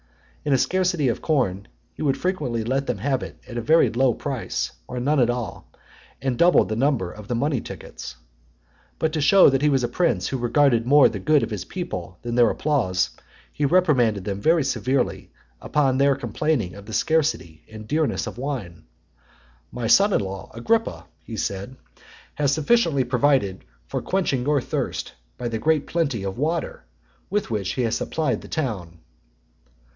In a scarcity of corn, he would frequently let them have it at a very low price, or none at all; and doubled the number of the money tickets. XLII. But to show that he was a prince who regarded more the good of his people than their applause, he reprimanded them very severely, upon their complaining of the scarcity and dearness of wine. "My son in law, Agrippa," he said, "has sufficiently provided for quenching your thirst, by the great plenty of water with which he has supplied the town."